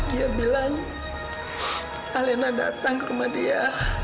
dia bilang alena datang ke rumah dia